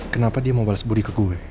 kenapa dia mau bales budi ke gue